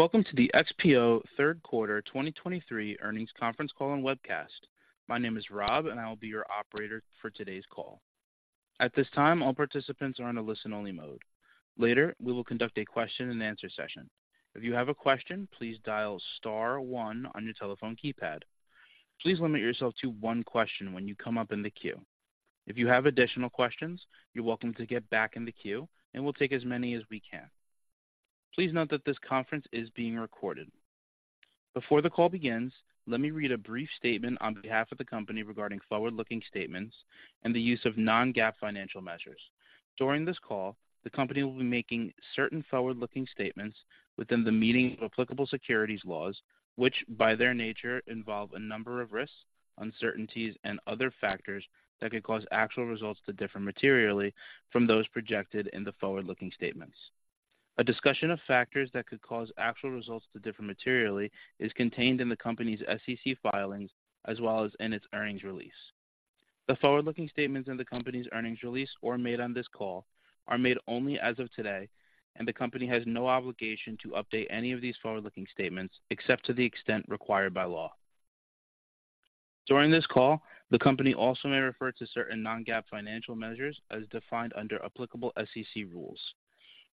Welcome to the XPO third quarter 2023 earnings conference call and webcast. My name is Rob, and I will be your operator for today's call. At this time, all participants are in a listen-only mode. Later, we will conduct a question-and-answer session. If you have a question, please dial star one on your telephone keypad. Please limit yourself to one question when you come up in the queue. If you have additional questions, you're welcome to get back in the queue and we'll take as many as we can. Please note that this conference is being recorded. Before the call begins, let me read a brief statement on behalf of the company regarding forward-looking statements and the use of non-GAAP financial measures. During this call, the company will be making certain forward-looking statements within the meaning of applicable securities laws, which, by their nature, involve a number of risks, uncertainties, and other factors that could cause actual results to differ materially from those projected in the forward-looking statements. A discussion of factors that could cause actual results to differ materially is contained in the company's SEC filings as well as in its earnings release. The forward-looking statements in the company's earnings release or made on this call are made only as of today, and the company has no obligation to update any of these forward-looking statements except to the extent required by law. During this call, the company also may refer to certain non-GAAP financial measures as defined under applicable SEC rules.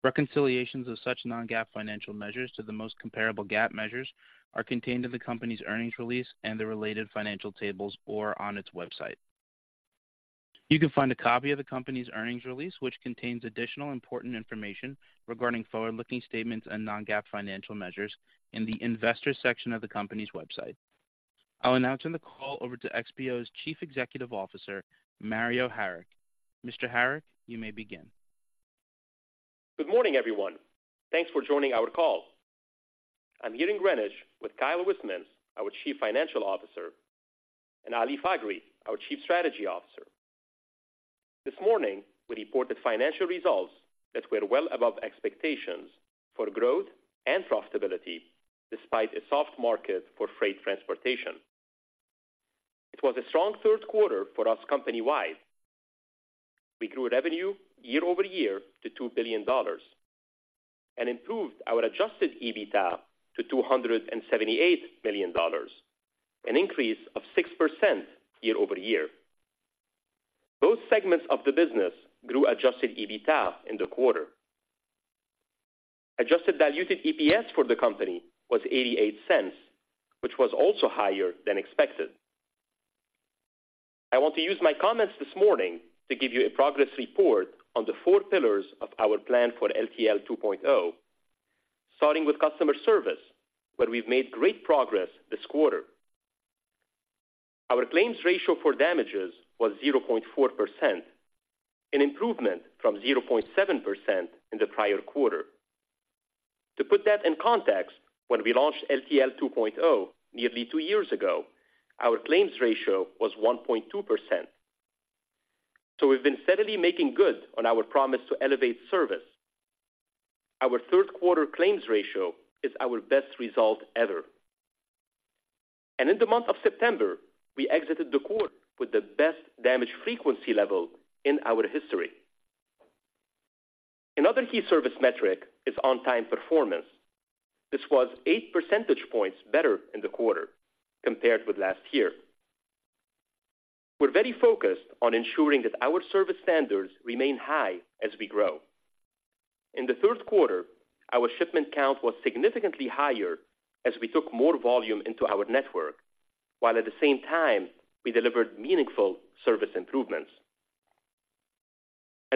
Reconciliations of such non-GAAP financial measures to the most comparable GAAP measures are contained in the company's earnings release and the related financial tables or on its website. You can find a copy of the company's earnings release, which contains additional important information regarding forward-looking statements and non-GAAP financial measures in the investor section of the company's website. I'll now turn the call over to XPO's Chief Executive Officer, Mario Harik. Mr. Harik, you may begin. Good morning, everyone. Thanks for joining our call. I'm here in Greenwich with Kyle Wismans, our Chief Financial Officer, and Ali Faghri, our Chief Strategy Officer. This morning, we reported financial results that were well above expectations for growth and profitability, despite a soft market for freight transportation. It was a strong third quarter for us company-wide. We grew revenue year-over-year to $2 billion and improved our adjusted EBITDA to $278 million, an increase of 6% year-over-year. Both segments of the business grew adjusted EBITDA in the quarter. Adjusted diluted EPS for the company was $0.88, which was also higher than expected. I want to use my comments this morning to give you a progress report on the four pillars of our plan for LTL 2.0, starting with customer service, where we've made great progress this quarter. Our claims ratio for damages was 0.4%, an improvement from 0.7% in the prior quarter. To put that in context, when we launched LTL 2.0 nearly two years ago, our claims ratio was 1.2%. So we've been steadily making good on our promise to elevate service. Our third quarter claims ratio is our best result ever. And in the month of September, we exited the quarter with the best damage frequency level in our history. Another key service metric is on-time performance. This was eight percentage points better in the quarter compared with last year. We're very focused on ensuring that our service standards remain high as we grow. In the third quarter, our shipment count was significantly higher as we took more volume into our network, while at the same time, we delivered meaningful service improvements.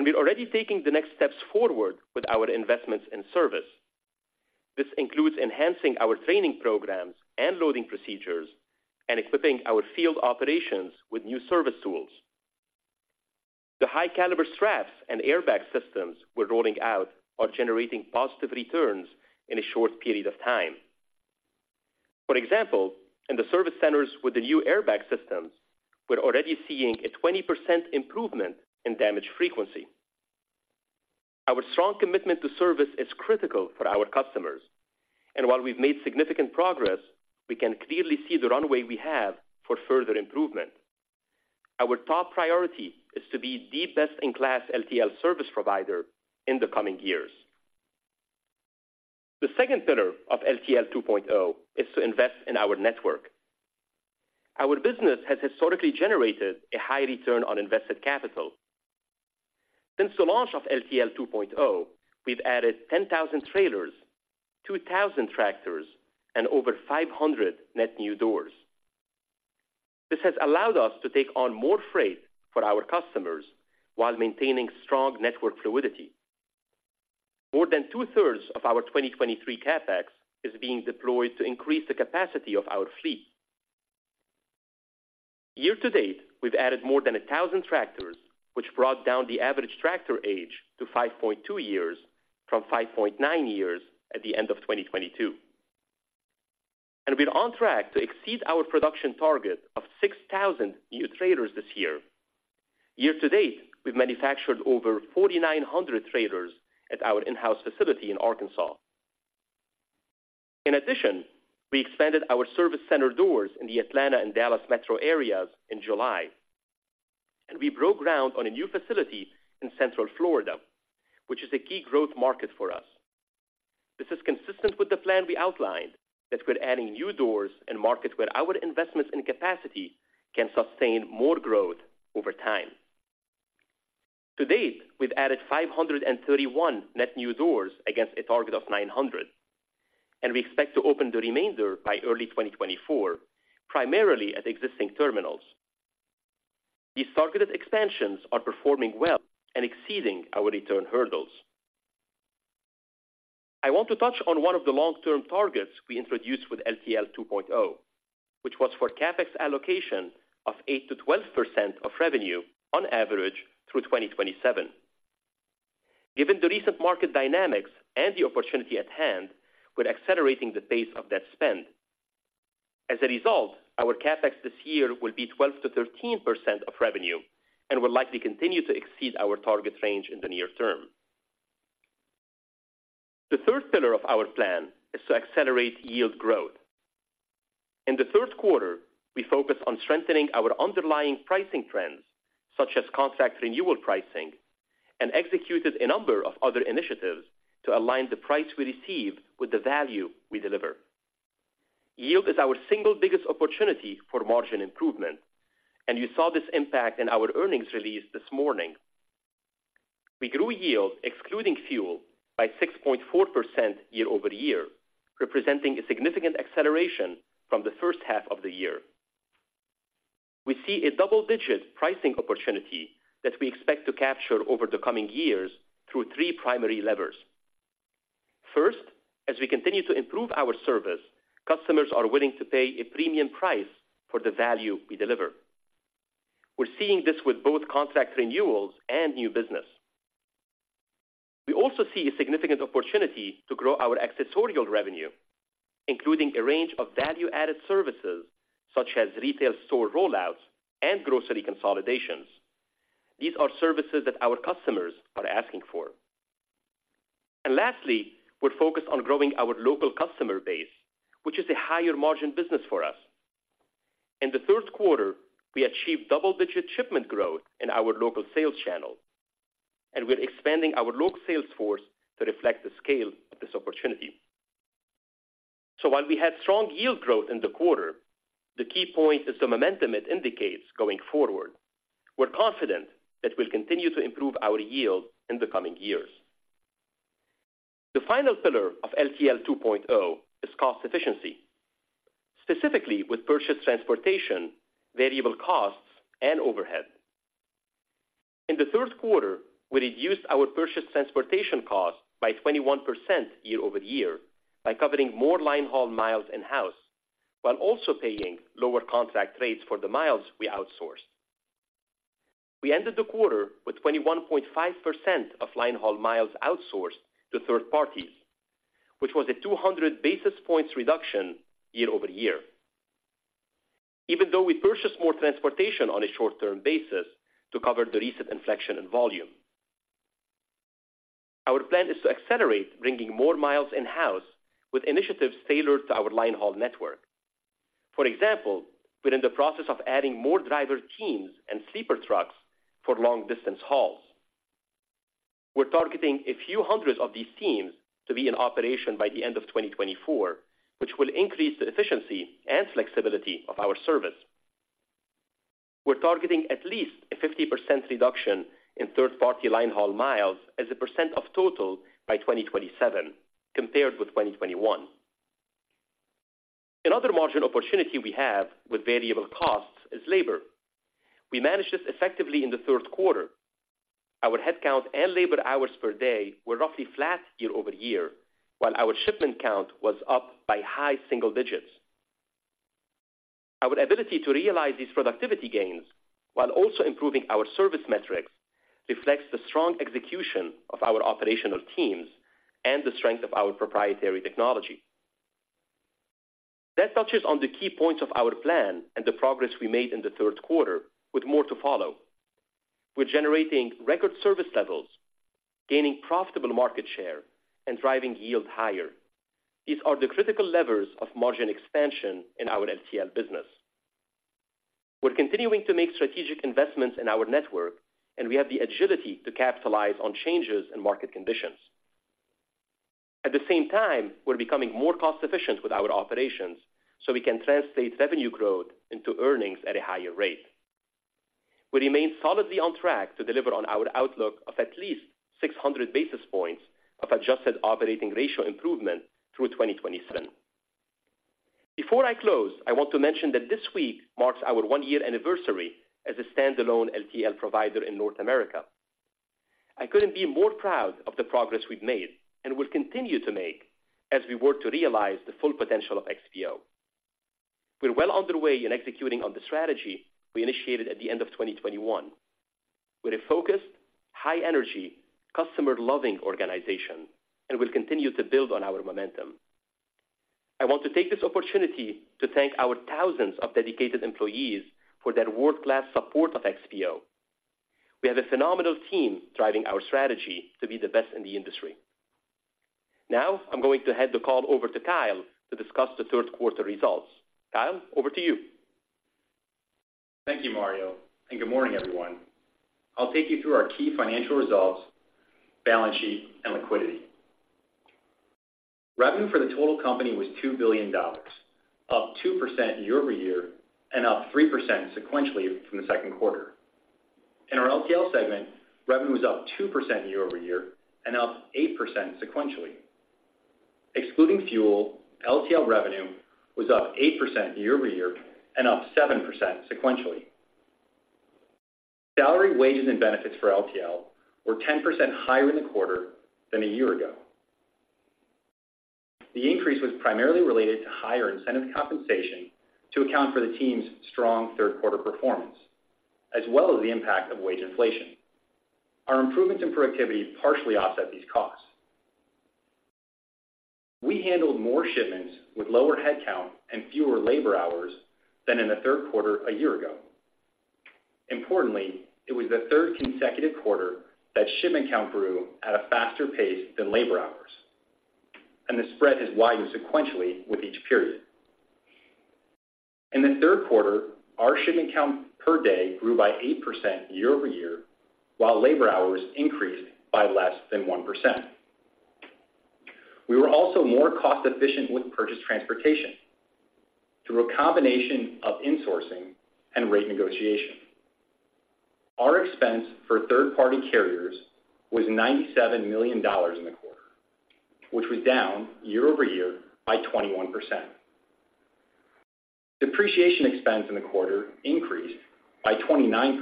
We're already taking the next steps forward with our investments in service. This includes enhancing our training programs, and loading procedures, and equipping our field operations with new service tools. The high-caliber straps and airbag systems we're rolling out are generating positive returns in a short period of time. For example, in the service centers with the new airbag systems, we're already seeing a 20% improvement in damage frequency. Our strong commitment to service is critical for our customers, and while we've made significant progress, we can clearly see the runway we have for further improvement. Our top priority is to be the best-in-class LTL service provider in the coming years. The second pillar of LTL 2.0 is to invest in our network. Our business has historically generated a high return on invested capital. Since the launch of LTL 2.0, we've added 10,000 trailers, 2,000 tractors, and over 500 net new doors. This has allowed us to take on more freight for our customers while maintaining strong network fluidity. More than two-thirds of our 2023 CapEx is being deployed to increase the capacity of our fleet. Year to date, we've added more than 1,000 tractors, which brought down the average tractor age to five point two years from five point nine years at the end of 2022. We're on track to exceed our production target of 6,000 new trailers this year. Year to date, we've manufactured over 4,900 trailers at our in-house facility in Arkansas. In addition, we expanded our service center doors in the Atlanta and Dallas metro areas in July. We broke ground on a new facility in Central Florida, which is a key growth market for us. This is consistent with the plan we outlined, that we're adding new doors in markets where our investments in capacity can sustain more growth over time. To date, we've added 531 net new doors against a target of 900, and we expect to open the remainder by early 2024, primarily at existing terminals. These targeted expansions are performing well and exceeding our return hurdles. I want to touch on one of the long-term targets we introduced with LTL 2.0, which was for CapEx allocation of 8%-12% of revenue on average through 2027. Given the recent market dynamics and the opportunity at hand, we're accelerating the pace of that spend. As a result, our CapEx this year will be 12%-13% of revenue and will likely continue to exceed our target range in the near term. The third pillar of our plan is to accelerate yield growth. In the third quarter, we focused on strengthening our underlying pricing trends, such as contract renewal pricing, and executed a number of other initiatives to align the price we receive with the value we deliver. Yield is our single biggest opportunity for margin improvement, and you saw this impact in our earnings release this morning. We grew yield, excluding fuel, by 6.4% year-over-year, representing a significant acceleration from the first half of the year. We see a double-digit pricing opportunity that we expect to capture over the coming years through three primary levers. First, as we continue to improve our service, customers are willing to pay a premium price for the value we deliver. We're seeing this with both contract renewals and new business. We also see a significant opportunity to grow our accessorial revenue, including a range of value-added services such as retail store rollouts and grocery consolidations. These are services that our customers are asking for. And lastly, we're focused on growing our local customer base, which is a higher-margin business for us. In the third quarter, we achieved double-digit shipment growth in our local sales channel, and we're expanding our local sales force to reflect the scale of this opportunity. So while we had strong yield growth in the quarter, the key point is the momentum it indicates going forward. We're confident that we'll continue to improve our yield in the coming years. The final pillar of LTL 2.0 is cost efficiency, specifically with purchased transportation, variable costs, and overhead. In the third quarter, we reduced our purchased transportation cost by 21% year-over-year by covering more linehaul miles in-house, while also paying lower contract rates for the miles we outsource. We ended the quarter with 21.5% of linehaul miles outsourced to third parties, which was a 200 basis points reduction year-over-year. Even though we purchased more transportation on a short-term basis to cover the recent inflection in volume, our plan is to accelerate, bringing more miles in-house with initiatives tailored to our linehaul network. For example, we're in the process of adding more driver teams and sleeper trucks for long-distance hauls. We're targeting a few hundred of these teams to be in operation by the end of 2024, which will increase the efficiency and flexibility of our service. We're targeting at least a 50% reduction in third-party linehaul miles as a percent of total by 2027, compared with 2021. Another margin opportunity we have with variable costs is labor. We managed this effectively in the third quarter. Our headcount and labor hours per day were roughly flat year-over-year, while our shipment count was up by high single-digits. Our ability to realize these productivity gains while also improving our service metrics, reflects the strong execution of our operational teams and the strength of our proprietary technology. That touches on the key points of our plan and the progress we made in the third quarter, with more to follow. We're generating record service levels, gaining profitable market share, and driving yield higher. These are the critical levers of margin expansion in our LTL business. We're continuing to make strategic investments in our network, and we have the agility to capitalize on changes in market conditions. At the same time, we're becoming more cost-efficient with our operations, so we can translate revenue growth into earnings at a higher rate. We remain solidly on track to deliver on our outlook of at least 600 basis points of adjusted operating ratio improvement through 2027. Before I close, I want to mention that this week marks our one-year anniversary as a standalone LTL provider in North America. I couldn't be more proud of the progress we've made and will continue to make as we work to realize the full potential of XPO. We're well underway in executing on the strategy we initiated at the end of 2021. We're a focused, high-energy, customer-loving organization, and we'll continue to build on our momentum. I want to take this opportunity to thank our thousands of dedicated employees for their world-class support of XPO. We have a phenomenal team driving our strategy to be the best in the industry.... Now, I'm going to hand the call over to Kyle to discuss the third quarter results. Kyle, over to you. Thank you, Mario, and good morning, everyone. I'll take you through our key financial results, balance sheet, and liquidity. Revenue for the total company was $2 billion, up 2% year-over-year and up 3% sequentially from the second quarter. In our LTL segment, revenue was up 2% year-over-year and up 8% sequentially. Excluding fuel, LTL revenue was up 8% year-over-year and up 7% sequentially. Salary, wages, and benefits for LTL were 10% higher in the quarter than a year ago. The increase was primarily related to higher incentive compensation to account for the team's strong third quarter performance, as well as the impact of wage inflation. Our improvements in productivity partially offset these costs. We handled more shipments with lower headcount and fewer labor hours than in the third quarter a year ago. Importantly, it was the third consecutive quarter that shipment count grew at a faster pace than labor hours, and the spread has widened sequentially with each period. In the third quarter, our shipment count per day grew by 8% year-over-year, while labor hours increased by less than 1%. We were also more cost-efficient with purchased transportation through a combination of insourcing and rate negotiation. Our expense for third-party carriers was $97 million in the quarter, which was down year-over-year by 21%. Depreciation expense in the quarter increased by 29%,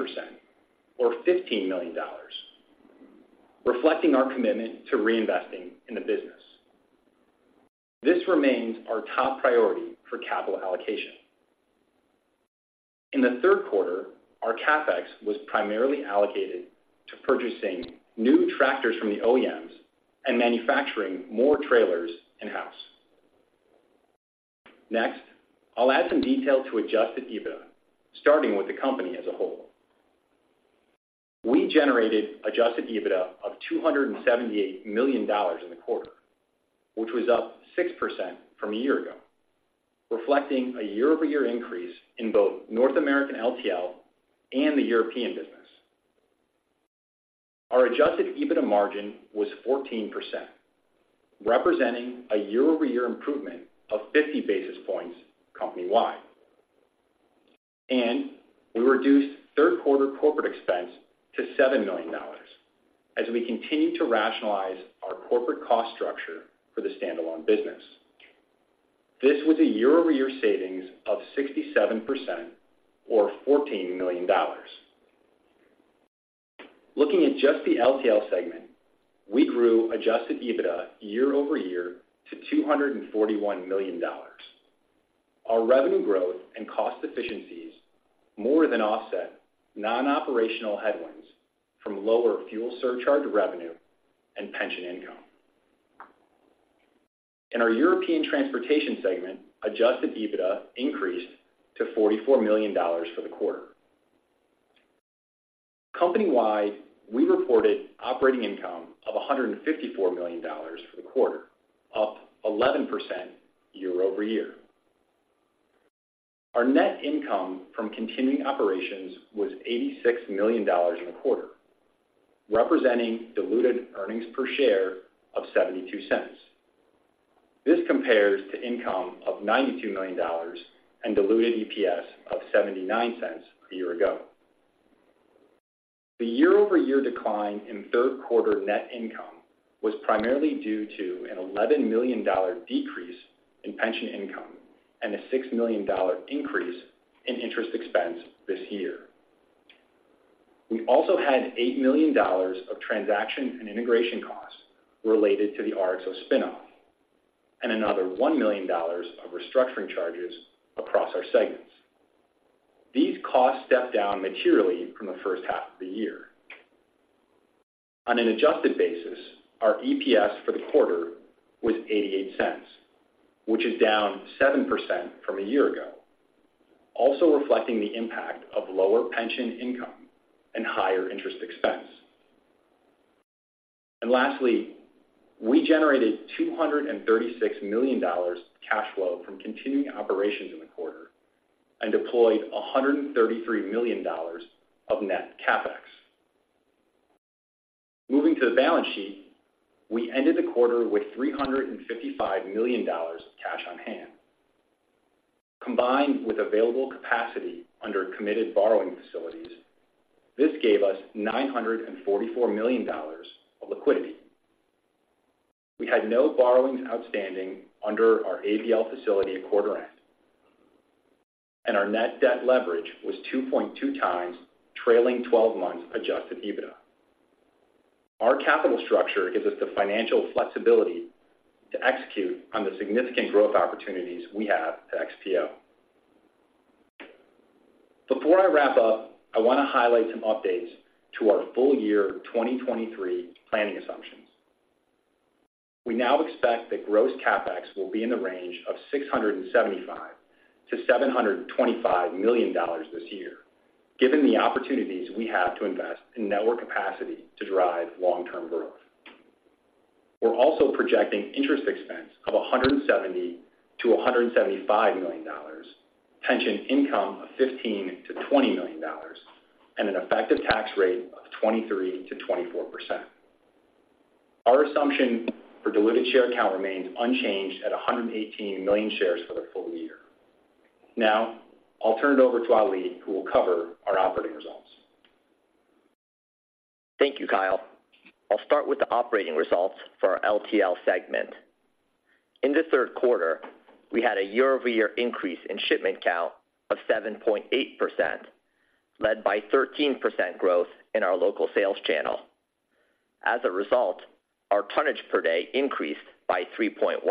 or $15 million, reflecting our commitment to reinvesting in the business. This remains our top priority for capital allocation. In the third quarter, our CapEx was primarily allocated to purchasing new tractors from the OEMs and manufacturing more trailers in-house. Next, I'll add some detail to adjusted EBITDA, starting with the company as a whole. We generated adjusted EBITDA of $278 million in the quarter, which was up 6% from a year ago, reflecting a year-over-year increase in both North American LTL and the European business. Our adjusted EBITDA margin was 14%, representing a year-over-year improvement of 50 basis points company-wide. We reduced third quarter corporate expense to $7 million as we continued to rationalize our corporate cost structure for the standalone business. This was a year-over-year savings of 67%, or $14 million. Looking at just the LTL segment, we grew adjusted EBITDA year-over-year to $241 million. Our revenue growth and cost efficiencies more than offset non-operational headwinds from lower fuel surcharge revenue and pension income. In our European transportation segment, adjusted EBITDA increased to $44 million for the quarter. Company-wide, we reported operating income of $154 million for the quarter, up 11% year-over-year. Our net income from continuing operations was $86 million in the quarter, representing diluted earnings per share of $0.72. This compares to income of $92 million and diluted EPS of $0.79 a year ago. The year-over-year decline in third quarter net income was primarily due to an $11 million decrease in pension income, and a $6 million increase in interest expense this year. We also had $8 million of transaction and integration costs related to the RXO spin-off, and another $1 million of restructuring charges across our segments. These costs stepped down materially from the first half of the year. On an adjusted basis, our EPS for the quarter was $0.88, which is down 7% from a year ago, also reflecting the impact of lower pension income and higher interest expense. And lastly, we generated $236 million cash flow from continuing operations in the quarter and deployed $133 million of net CapEx. Moving to the balance sheet, we ended the quarter with $355 million cash on hand. Combined with available capacity under committed borrowing facilities, this gave us $944 million of liquidity. We had no borrowings outstanding under our ABL facility at quarter end, and our net debt leverage was 2.2x trailing twelve months adjusted EBITDA. Our capital structure gives us the financial flexibility to execute on the significant growth opportunities we have at XPO. Before I wrap up, I want to highlight some updates to our full-year 2023 planning assumptions. We now expect that gross CapEx will be in the range of $675 million-$725 million this year, given the opportunities we have to invest in network capacity to drive long-term growth. We're also projecting interest expense of $170 million-$175 million, pension income of $15 million-$20 million, and an effective tax rate of 23%-24%. Our assumption for delivered share count remains unchanged at 118 million shares for the full-year. Now, I'll turn it over to Ali, who will cover our operating results. Thank you, Kyle. I'll start with the operating results for our LTL segment. In the third quarter, we had a year-over-year increase in shipment count of 7.8%, led by 13% growth in our local sales channel. As a result, our tonnage per day increased by 3.1%.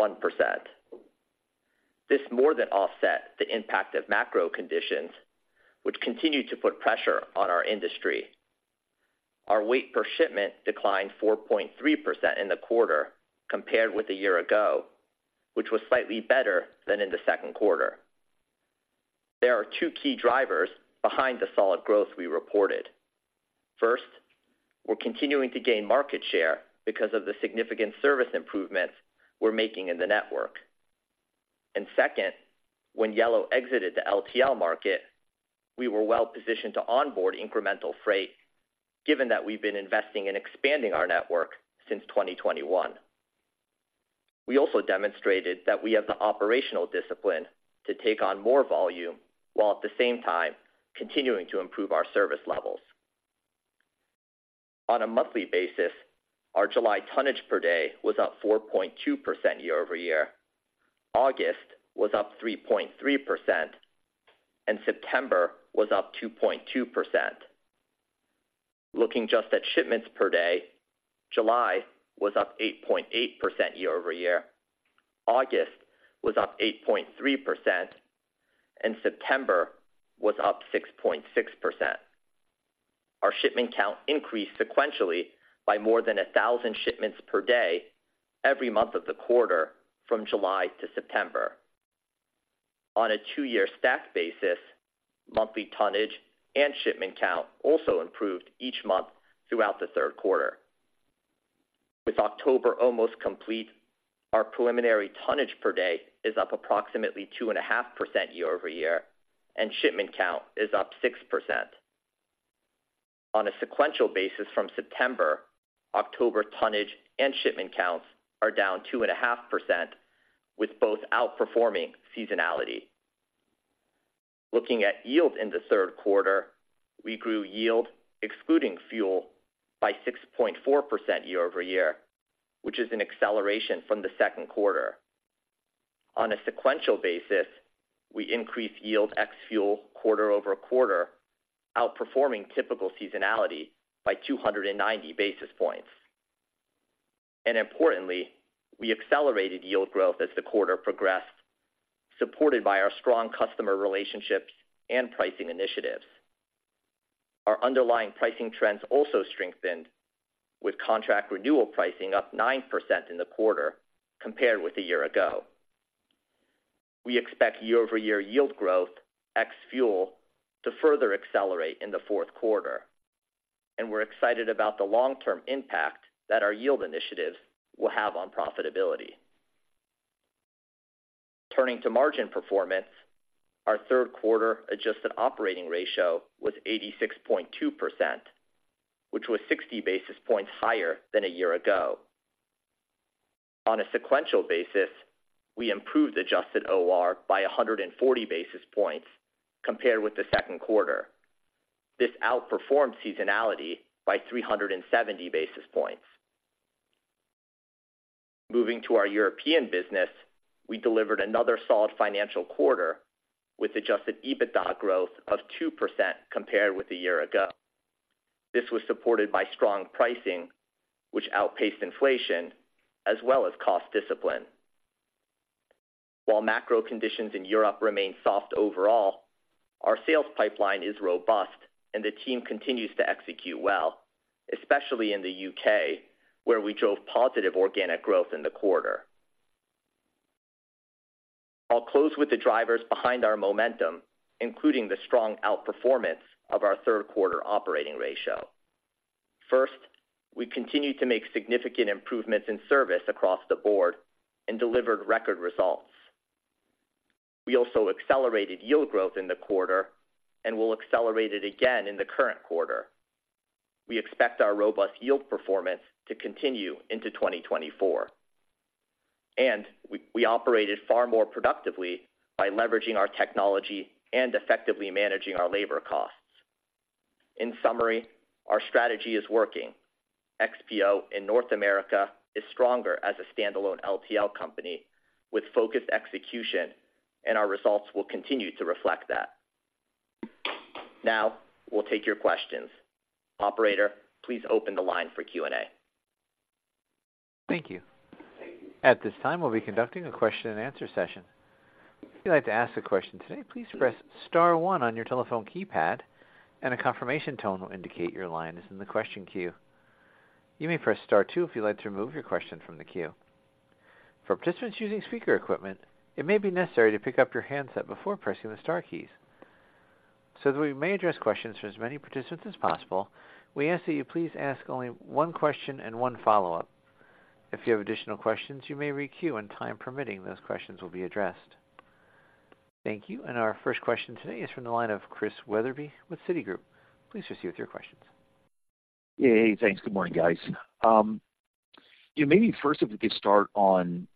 This more than offset the impact of macro conditions, which continued to put pressure on our industry. Our weight per shipment declined 4.3% in the quarter compared with a year ago, which was slightly better than in the second quarter. There are two key drivers behind the solid growth we reported. First, we're continuing to gain market share because of the significant service improvements we're making in the network. And second, when Yellow exited the LTL market, we were well-positioned to onboard incremental freight, given that we've been investing in expanding our network since 2021. We also demonstrated that we have the operational discipline to take on more volume, while at the same time, continuing to improve our service levels. On a monthly basis, our July tonnage per day was up 4.2% year-over-year, August was up 3.3%, and September was up 2.2%. Looking just at shipments per day, July was up 8.8% year-over-year, August was up 8.3%, and September was up 6.6%. Our shipment count increased sequentially by more than 1,000 shipments per day every month of the quarter from July to September. On a two-year stack basis, monthly tonnage and shipment count also improved each month throughout the third quarter. With October almost complete, our preliminary tonnage per day is up approximately 2.5% year-over-year, and shipment count is up 6%. On a sequential basis from September, October tonnage and shipment counts are down 2.5%, with both outperforming seasonality. Looking at yield in the third quarter, we grew yield, excluding fuel, by 6.4% year-over-year, which is an acceleration from the second quarter. On a sequential basis, we increased yield ex-fuel quarter-over-quarter, outperforming typical seasonality by 290 basis points. Importantly, we accelerated yield growth as the quarter progressed, supported by our strong customer relationships and pricing initiatives. Our underlying pricing trends also strengthened, with contract renewal pricing up 9% in the quarter compared with a year ago. We expect year-over-year yield growth, ex-fuel, to further accelerate in the fourth quarter, and we're excited about the long-term impact that our yield initiatives will have on profitability. Turning to margin performance, our third quarter adjusted operating ratio was 86.2%, which was 60 basis points higher than a year ago. On a sequential basis, we improved adjusted OR by 140 basis points compared with the second quarter. This outperformed seasonality by 370 basis points. Moving to our European business, we delivered another solid financial quarter, with Adjusted EBITDA growth of 2% compared with a year ago. This was supported by strong pricing, which outpaced inflation, as well as cost discipline. While macro conditions in Europe remain soft overall, our sales pipeline is robust, and the team continues to execute well, especially in the U.K., where we drove positive organic growth in the quarter. I'll close with the drivers behind our momentum, including the strong outperformance of our third quarter operating ratio. First, we continued to make significant improvements in service across the board and delivered record results. We also accelerated yield growth in the quarter and will accelerate it again in the current quarter. We expect our robust yield performance to continue into 2024, and we operated far more productively by leveraging our technology and effectively managing our labor costs. In summary, our strategy is working. XPO in North America is stronger as a standalone LTL company with focused execution, and our results will continue to reflect that. Now, we'll take your questions. Operator, please open the line for Q&A. Thank you. At this time, we'll be conducting a question-and-answer session. If you'd like to ask a question today, please press star one on your telephone keypad, and a confirmation tone will indicate your line is in the question queue.... You may press star two if you'd like to remove your question from the queue. For participants using speaker equipment, it may be necessary to pick up your handset before pressing the star keys. So that we may address questions for as many participants as possible, we ask that you please ask only one question and one follow-up. If you have additional questions, you may re-queue, and time permitting, those questions will be addressed. Thank you. And our first question today is from the line of Chris Wetherbee with Citigroup. Please proceed with your questions. Hey, thanks. Good morning, guys. Yeah, maybe first, if we could start on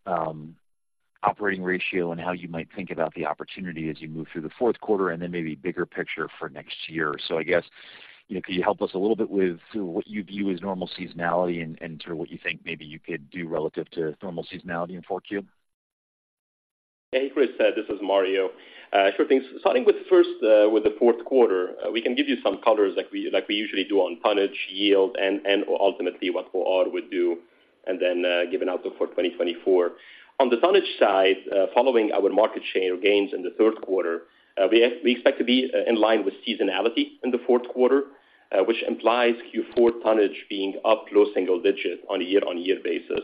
operating ratio and how you might think about the opportunity as you move through the fourth quarter, and then maybe bigger picture for next year. So I guess, you know, could you help us a little bit with what you view as normal seasonality and sort of what you think maybe you could do relative to normal seasonality in 4Q? Hey, Chris, this is Mario. Sure thing. Starting with first, with the fourth quarter, we can give you some colors like we, like we usually do on tonnage, yield, and, and ultimately what OR would do, and then, give an outlook for 2024. On the tonnage side, following our market share gains in the third quarter, we expect to be, in line with seasonality in the fourth quarter, which implies Q4 tonnage being up low single-digit on a year-on-year basis.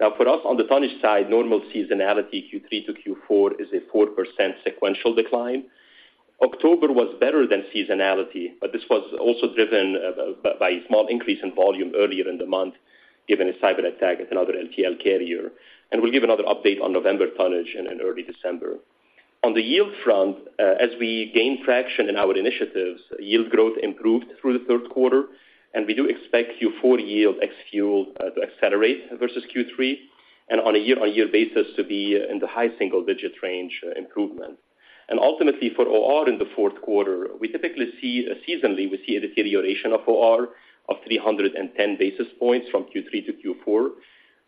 Now, for us, on the tonnage side, normal seasonality, Q3 to Q4, is a 4% sequential decline. October was better than seasonality, but this was also driven by a small increase in volume earlier in the month, given a cyberattack at another LTL carrier. We'll give another update on November tonnage in early December. On the yield front, as we gain traction in our initiatives, yield growth improved through the third quarter, and we do expect Q4 yield ex-fuel to accelerate versus Q3, and on a year-on-year basis to be in the high single-digit range improvement. Ultimately, for OR in the fourth quarter, we typically see seasonally, we see a deterioration of OR of 300 basis points from Q3 to Q4,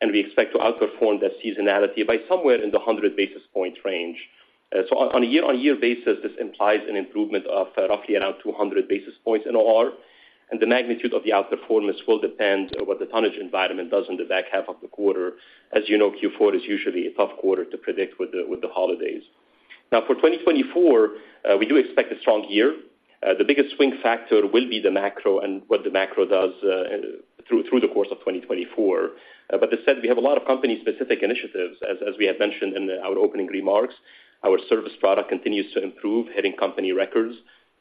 and we expect to outperform that seasonality by somewhere in the 100 basis point range. So on a year-on-year basis, this implies an improvement of roughly around 200 basis points in OR, and the magnitude of the outperformance will depend on what the tonnage environment does in the back half of the quarter. As you know, Q4 is usually a tough quarter to predict with the holidays. Now, for 2024, we do expect a strong year. The biggest swing factor will be the macro and what the macro does through the course of 2024. But that said, we have a lot of company-specific initiatives. As we had mentioned in our opening remarks, our service product continues to improve, hitting company records.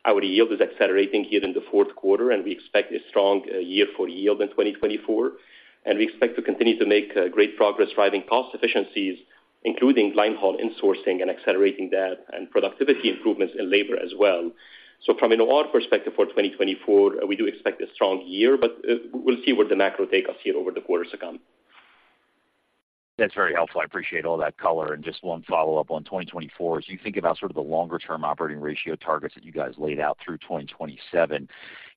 Our yield is accelerating here in the fourth quarter, and we expect a strong year for yield in 2024, and we expect to continue to make great progress driving cost efficiencies, including linehaul insourcing and accelerating that, and productivity improvements in labor as well. From an OR perspective, for 2024, we do expect a strong year, but we'll see where the macro take us here over the quarters to come. That's very helpful. I appreciate all that color. Just one follow-up on 2024. As you think about sort of the longer-term operating ratio targets that you guys laid out through 2027,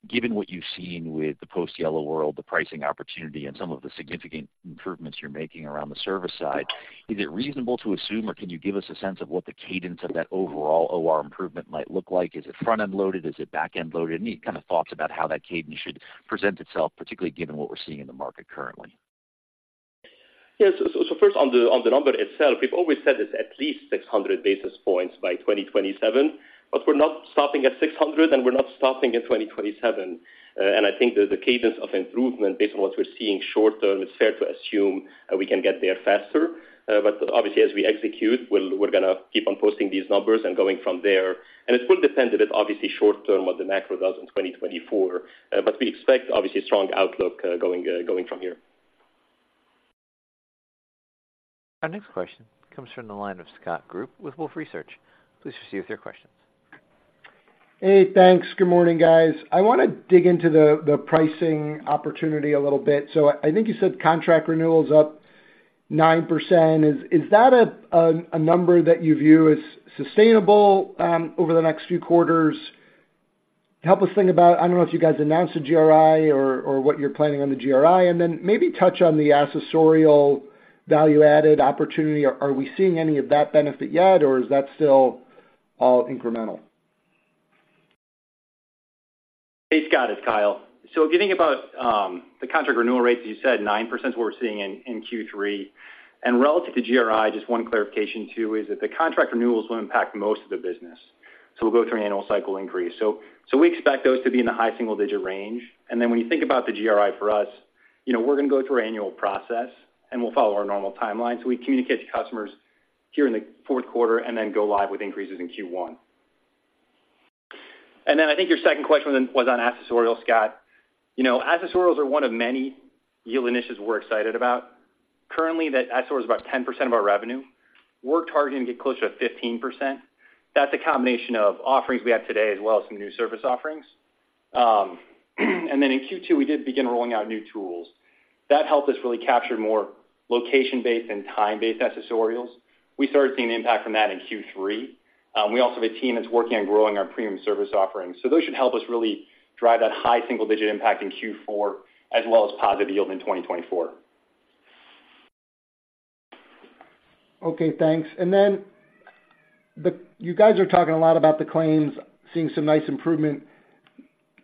given what you've seen with the post-Yellow world, the pricing opportunity, and some of the significant improvements you're making around the service side, is it reasonable to assume, or can you give us a sense of what the cadence of that overall OR improvement might look like? Is it front-end loaded? Is it back-end loaded? Any kind of thoughts about how that cadence should present itself, particularly given what we're seeing in the market currently? Yes. So first, on the number itself, we've always said it's at least 600 basis points by 2027, but we're not stopping at 600, and we're not stopping at 2027. And I think that the cadence of improvement, based on what we're seeing short term, it's fair to assume we can get there faster. But obviously, as we execute, we'll go—we're going to keep on posting these numbers and going from there. And it will depend a bit, obviously, short term, what the macro does in 2024, but we expect, obviously, a strong outlook, going from here. Our next question comes from the line of Scott Group with Wolfe Research. Please proceed with your questions. Hey, thanks. Good morning, guys. I want to dig into the pricing opportunity a little bit. So I think you said contract renewals up 9%. Is that a number that you view as sustainable over the next few quarters? Help us think about... I don't know if you guys announced a GRI or what you're planning on the GRI, and then maybe touch on the accessorial value-added opportunity. Are we seeing any of that benefit yet, or is that still all incremental? Hey, Scott, it's Kyle. So if you think about the contract renewal rates, as you said, 9% is what we're seeing in Q3. And relative to GRI, just one clarification, too, is that the contract renewals will impact most of the business, so we'll go through an annual cycle increase. So we expect those to be in the high single-digit range. And then when you think about the GRI for us, you know, we're going to go through our annual process, and we'll follow our normal timeline. So we communicate to customers here in the fourth quarter and then go live with increases in Q1. And then I think your second question was on accessorial, Scott. You know, accessorials are one of many yield initiatives we're excited about. Currently, that accessorial is about 10% of our revenue. We're targeting to get closer to 15%. That's a combination of offerings we have today, as well as some new service offerings. And then in Q2, we did begin rolling out new tools. That helped us really capture more location-based and time-based accessorials. We started seeing the impact from that in Q3. We also have a team that's working on growing our premium service offerings. So those should help us really drive that high single-digit impact in Q4, as well as positive yield in 2024. Okay, thanks. And then, you guys are talking a lot about the claims, seeing some nice improvement.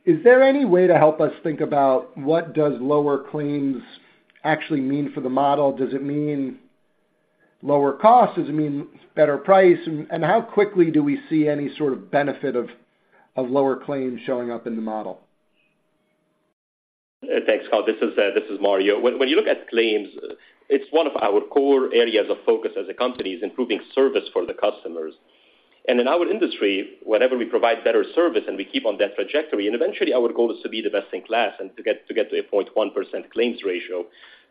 Is there any way to help us think about what lower claims actually mean for the model? Does it mean lower costs? Does it mean better price? And how quickly do we see any sort of benefit of lower claims showing up in the model? Thanks, Scott. This is Mario. When you look at claims, it's one of our core areas of focus as a company, is improving service for the customers. And in our industry, whenever we provide better service, and we keep on that trajectory, and eventually, our goal is to be the best in class and to get to a 1% claims ratio,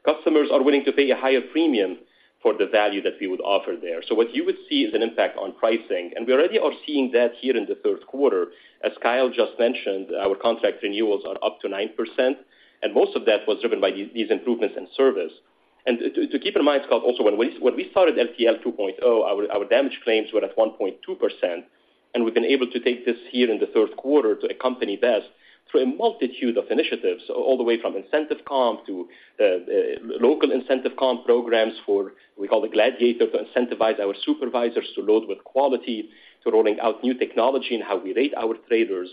customers are willing to pay a higher premium for the value that we would offer there. So what you would see is an impact on pricing, and we already are seeing that here in the third quarter. As Kyle just mentioned, our contract renewals are up 9%, and most of that was driven by these improvements in service. To keep in mind, Scott, also, when we started LTL 2.0, our damage claims were at 1.2%, and we've been able to take this here in the third quarter to a company best through a multitude of initiatives, all the way from incentive comp to local incentive comp programs for, we call it Gladiator, to incentivize our supervisors to load with quality, to rolling out new technology and how we rate our traders.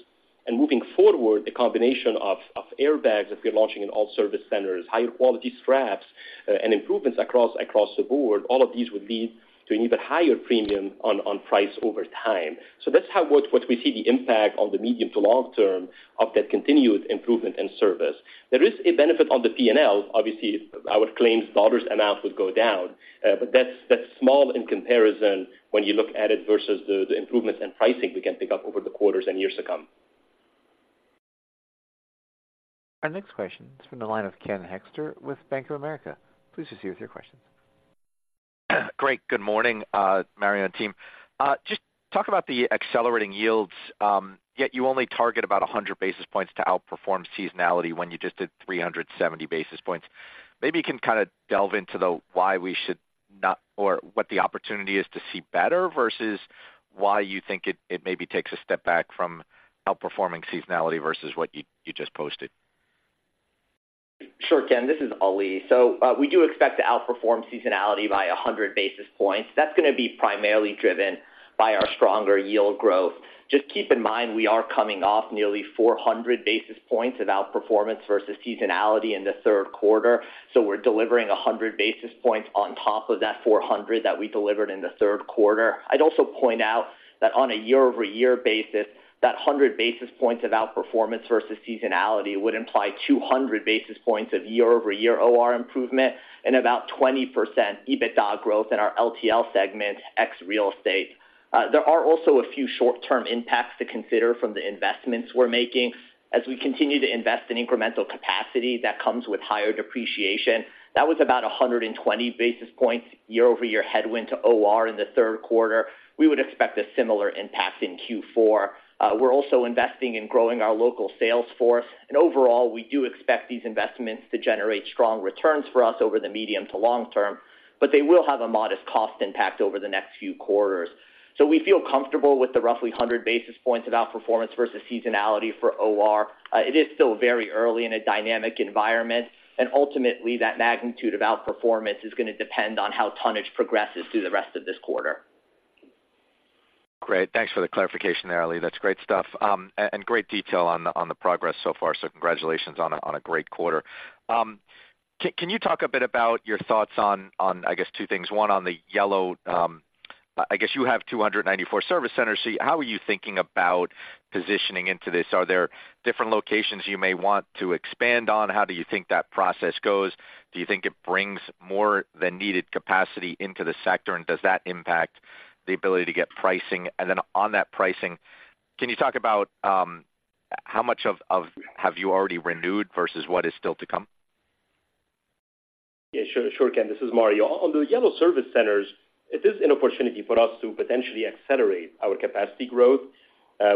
And moving forward, a combination of airbags that we are launching in all service centers, higher quality straps, and improvements across the board, all of these would lead to an even higher premium on price over time. So that's how we see the impact on the medium to long term of that continued improvement in service. There is a benefit on the P&L. Obviously, our claims dollars amount would go down, but that's, that's small in comparison when you look at it versus the, the improvements in pricing we can pick up over the quarters and years to come. Our next question is from the line of Ken Hoexter with Bank of America. Please proceed with your question. Great. Good morning, Mario and team. Just talk about the accelerating yields. Yet you only target about 100 basis points to outperform seasonality when you just did 370 basis points. Maybe you can kind of delve into the why we should not or what the opportunity is to see better, versus why you think it, it maybe takes a step back from outperforming seasonality versus what you, you just posted. Sure, Ken, this is Ali. So, we do expect to outperform seasonality by 100 basis points. That's gonna be primarily driven by our stronger yield growth. Just keep in mind, we are coming off nearly 400 basis points of outperformance versus seasonality in the third quarter, so we're delivering 100 basis points on top of that 400 that we delivered in the third quarter. I'd also point out that on a year-over-year basis, that 100 basis points of outperformance versus seasonality would imply 200 basis points of year-over-year OR improvement and about 20% EBITDA growth in our LTL segment, ex real estate. There are also a few short-term impacts to consider from the investments we're making. As we continue to invest in incremental capacity, that comes with higher depreciation. That was about 120 basis points year-over-year headwind to OR in the third quarter. We would expect a similar impact in Q4. We're also investing in growing our local sales force, and overall, we do expect these investments to generate strong returns for us over the medium to long term, but they will have a modest cost impact over the next few quarters. So we feel comfortable with the roughly 100 basis points of outperformance versus seasonality for OR. It is still very early in a dynamic environment, and ultimately, that magnitude of outperformance is gonna depend on how tonnage progresses through the rest of this quarter. Great. Thanks for the clarification there, Ali. That's great stuff, and great detail on the progress so far, so congratulations on a great quarter. Can you talk a bit about your thoughts on, I guess, two things? One, on the Yellow, I guess you have 294 service centers, so how are you thinking about positioning into this? Are there different locations you may want to expand on? How do you think that process goes? Do you think it brings more than needed capacity into the sector, and does that impact the ability to get pricing? And then on that pricing, can you talk about, how much of have you already renewed versus what is still to come? Yeah, sure. Sure, Ken, this is Mario. On the Yellow service centers, it is an opportunity for us to potentially accelerate our capacity growth.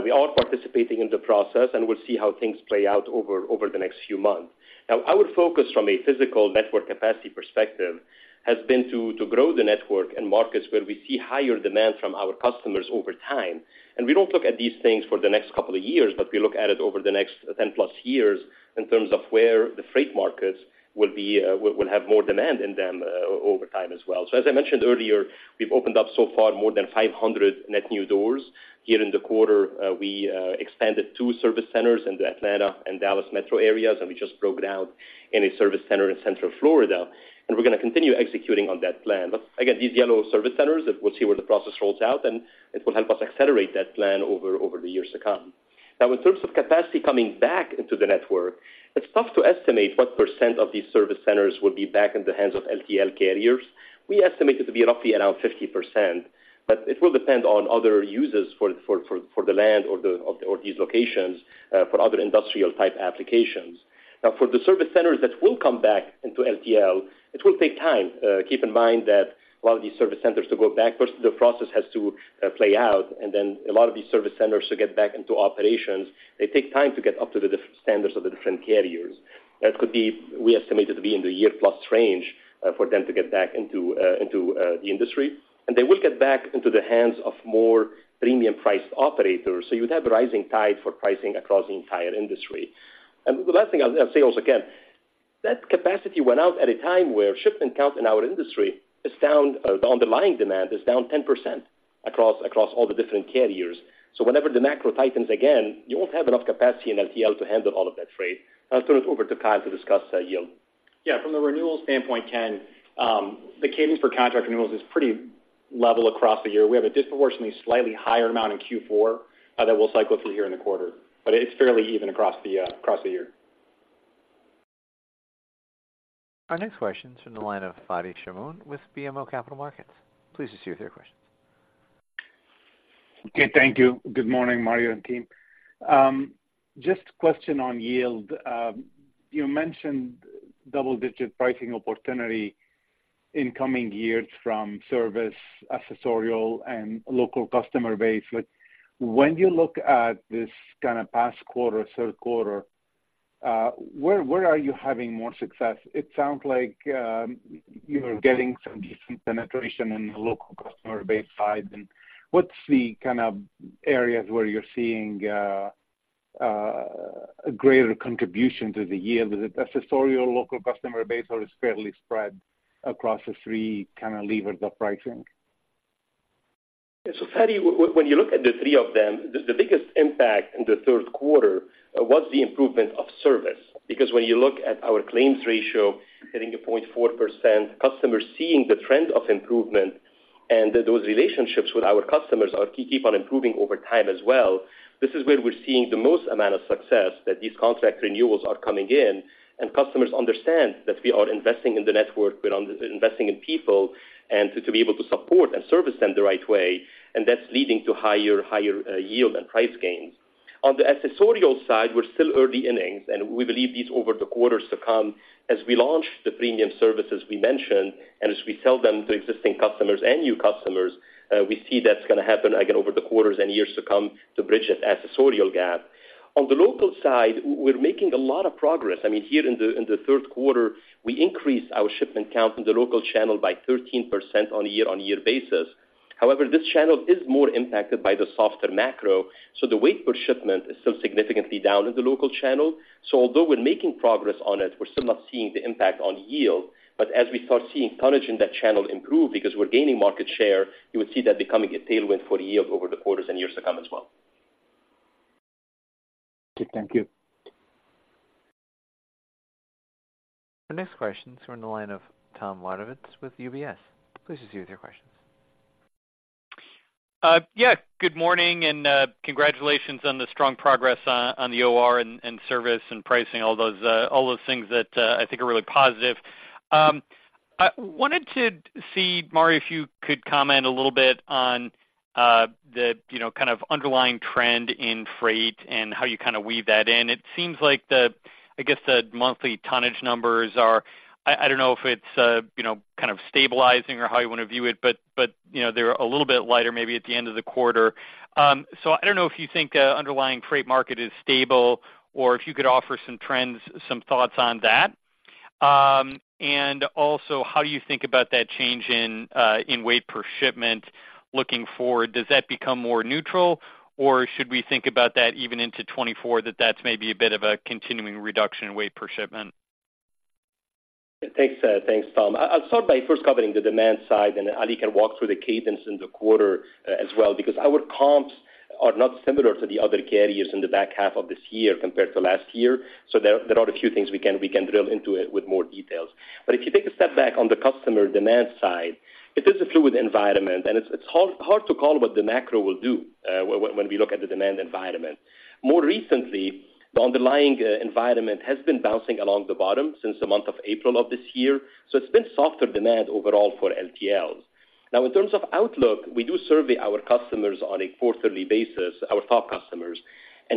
We are participating in the process, and we'll see how things play out over the next few months. Now, our focus from a physical network capacity perspective has been to grow the network in markets where we see higher demand from our customers over time. And we don't look at these things for the next couple of years, but we look at it over the next 10-plus years in terms of where the freight markets will be, will have more demand in them, over time as well. So as I mentioned earlier, we've opened up so far more than 500 net new doors. Here in the quarter, we expanded two service centers in the Atlanta and Dallas metro areas, and we just broke ground in a service center in Central Florida, and we're gonna continue executing on that plan. But again, these Yellow service centers, we'll see where the process rolls out, and it will help us accelerate that plan over the years to come. Now, in terms of capacity coming back into the network, it's tough to estimate what percent of these service centers will be back in the hands of LTL carriers. We estimate it to be roughly around 50%, but it will depend on other uses for the land or these locations for other industrial-type applications. Now, for the service centers that will come back into LTL, it will take time. Keep in mind that a lot of these service centers to go back, first, the process has to play out, and then a lot of these service centers to get back into operations, they take time to get up to the different standards of the different carriers. That could be, we estimate it to be in the year-plus range, for them to get back into the industry. And they will get back into the hands of more premium-priced operators, so you would have a rising tide for pricing across the entire industry. And the last thing I'll say also, Ken, that capacity went out at a time where shipment count in our industry is down, the underlying demand is down 10% across all the different carriers. So whenever the macro tightens again, you won't have enough capacity in LTL to handle all of that trade. I'll turn it over to Kyle to discuss, yield. Yeah, from the renewal standpoint, Ken, the cadence for contract renewals is pretty level across the year. We have a disproportionately slightly higher amount in Q4 that we'll cycle through here in the quarter, but it's fairly even across the year. Our next question is from the line of Fadi Chamoun with BMO Capital Markets. Please proceed with your question. Okay, thank you. Good morning, Mario and team. Just a question on yield. You mentioned double-digit pricing opportunity in coming years from service, accessorial, and local customer base. But when you look at this kind of past quarter, third quarter, where are you having more success? It sounds like you are getting some decent penetration in the local customer base side. And what's the kind of areas where you're seeing a greater contribution to the yield? Is it accessorial, local customer base, or it's fairly spread across the three kind of levers of pricing? Yeah. So, Fadi, when you look at the three of them, the biggest impact in the third quarter was the improvement of service. Because when you look at our claims ratio hitting a point 4%, customers seeing the trend of improvement and those relationships with our customers are keep on improving over time as well. This is where we're seeing the most amount of success, that these contract renewals are coming in, and customers understand that we are investing in the network, we're investing in people, and to be able to support and service them the right way, and that's leading to higher, higher yield and price gains. On the accessorial side, we're still early innings, and we believe these over the quarters to come. As we launch the premium services we mentioned, and as we sell them to existing customers and new customers, we see that's going to happen, again, over the quarters and years to come, to bridge that accessorial gap. On the local side, we're making a lot of progress. I mean, here in the third quarter, we increased our shipment count in the local channel by 13% on a year-on-year basis. However, this channel is more impacted by the softer macro, so the weight per shipment is still significantly down in the local channel. So, although we're making progress on it, we're still not seeing the impact on yield. But as we start seeing tonnage in that channel improve because we're gaining market share, you would see that becoming a tailwind for yield over the quarters and years to come as well. Okay, thank you. Our next question is from the line of Tom Wadewitz with UBS. Please proceed with your questions. Yeah, good morning, and congratulations on the strong progress on the OR and service and pricing, all those things that I think are really positive. I wanted to see, Mario, if you could comment a little bit on the you know, kind of underlying trend in freight and how you kind of weave that in. It seems like, the I guess, the monthly tonnage numbers are. I don't know if it's you know, kind of stabilizing or how you want to view it, but you know, they're a little bit lighter maybe at the end of the quarter. So I don't know if you think underlying freight market is stable, or if you could offer some trends, some thoughts on that. And also, how do you think about that change in weight per shipment looking forward? Does that become more neutral, or should we think about that even into 2024, that that's maybe a bit of a continuing reduction in weight per shipment? Thanks, thanks, Tom. I'll start by first covering the demand side, and Ali can walk through the cadence in the quarter, as well, because our comps are not similar to the other carriers in the back half of this year compared to last year. So there are a few things we can drill into it with more details. But if you take a step back on the customer demand side, it is a fluid environment, and it's hard to call what the macro will do, when we look at the demand environment. More recently, the underlying environment has been bouncing along the bottom since the month of April of this year, so it's been softer demand overall for LTLs. Now, in terms of outlook, we do survey our customers on a quarterly basis, our top customers.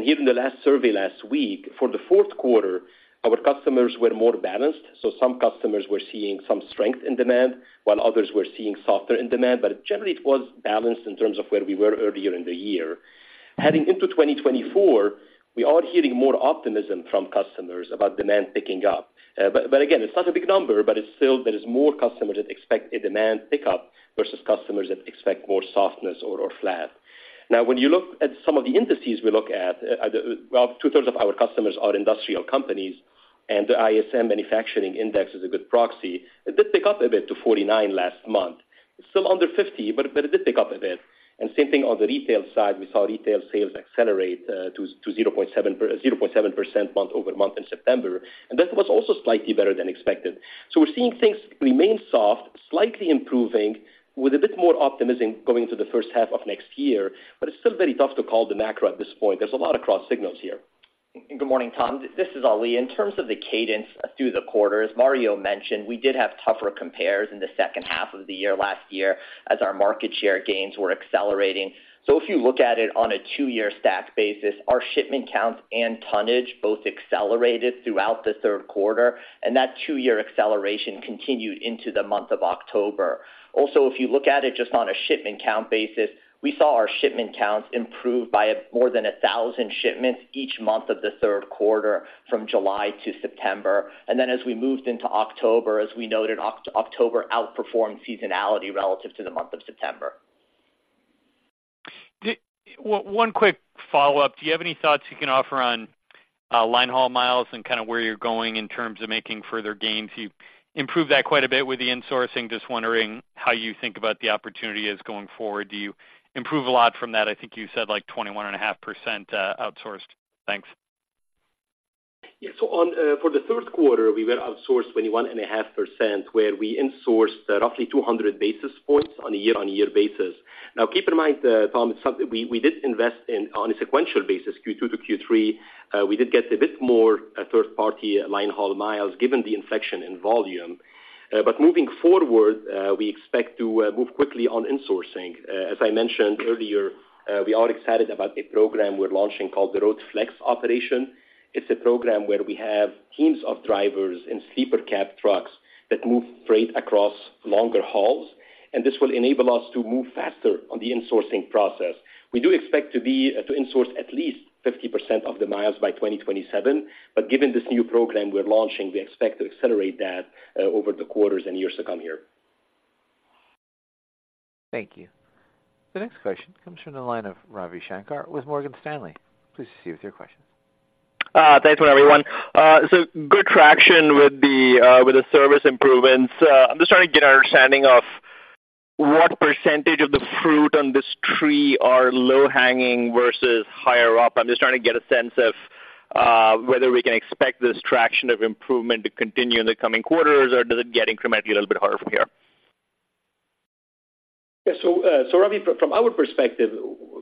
Given the last survey last week, for the fourth quarter, our customers were more balanced, so some customers were seeing some strength in demand, while others were seeing softer in demand, but generally it was balanced in terms of where we were earlier in the year. Heading into 2024, we are hearing more optimism from customers about demand picking up. But, but again, it's not a big number, but it's still there is more customers that expect a demand pickup versus customers that expect more softness or, or flat. Now, when you look at some of the indices we look at, well, two-thirds of our customers are industrial companies, and the ISM Manufacturing Index is a good proxy. It did pick up a bit to 49 last month. It's still under 50, but, but it did pick up a bit. Same thing on the retail side. We saw retail sales accelerate to 0.7% month-over-month in September, and that was also slightly better than expected. So we're seeing things remain soft, slightly improving, with a bit more optimism going into the first half of next year, but it's still very tough to call the macro at this point. There's a lot of cross signals here. Good morning, Tom. This is Ali. In terms of the cadence through the quarter, as Mario mentioned, we did have tougher compares in the second half of the year, last year, as our market share gains were accelerating. So if you look at it on a two-year stack basis, our shipment counts and tonnage both accelerated throughout the third quarter, and that two-year acceleration continued into the month of October. Also, if you look at it just on a shipment count basis, we saw our shipment counts improve by more than 1,000 shipments each month of the third quarter, from July to September. And then, as we moved into October, as we noted, October outperformed seasonality relative to the month of September. Do one quick follow-up. Do you have any thoughts you can offer on linehaul miles and kind of where you're going in terms of making further gains? You've improved that quite a bit with the insourcing. Just wondering how you think about the opportunity as going forward. Do you improve a lot from that? I think you said, like, 21.5% outsourced. Thanks. Yeah. So on for the third quarter, we were outsourced 21.5%, where we insourced roughly 200 basis points on a year-on-year basis. Now, keep in mind, Tom, it's something we, we did invest in on a sequential basis, Q2 to Q3. We did get a bit more third-party linehaul miles, given the inflection in volume. But moving forward, we expect to move quickly on insourcing. As I mentioned earlier, we are excited about a program we're launching called the Road Flex operation. It's a program where we have teams of drivers in sleeper cab trucks that move freight across longer hauls, and this will enable us to move faster on the insourcing process. We do expect to be to insource at least 50% of the miles by 2027, but given this new program we're launching, we expect to accelerate that over the quarters and years to come here. Thank you. The next question comes from the line of Ravi Shanker with Morgan Stanley. Please proceed with your questions. Thanks, everyone. So good traction with the service improvements. I'm just trying to get an understanding of what percentage of the fruit on this tree are low-hanging versus higher up. I'm just trying to get a sense of whether we can expect this traction of improvement to continue in the coming quarters, or does it get incrementally a little bit harder from here? Yeah. So, Ravi, from our perspective,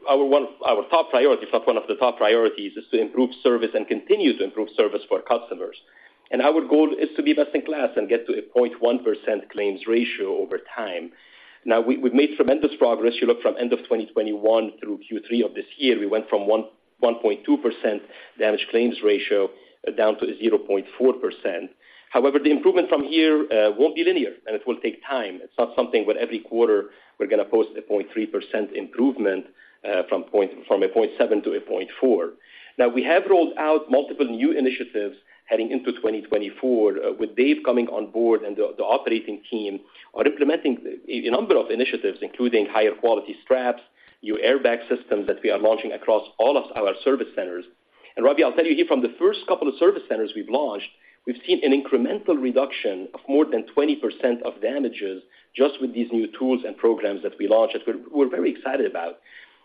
our top priority, so one of the top priorities is to improve service and continue to improve service for our customers. And our goal is to be best in class and get to a 0.1% claims ratio over time. Now, we've made tremendous progress. You look from end of 2021 through Q3 of this year, we went from 1.2% damage claims ratio down to 0.4%. However, the improvement from here won't be linear, and it will take time. It's not something where every quarter we're going to post a 0.3% improvement from 0.7% to 0.4%. Now, we have rolled out multiple new initiatives heading into 2024, with Dave coming on board, and the operating team are implementing a number of initiatives, including higher-quality straps, new airbag systems that we are launching across all of our service centers. And Ravi, I'll tell you here, from the first couple of service centers we've launched, we've seen an incremental reduction of more than 20% of damages just with these new tools and programs that we launched, that we're very excited about.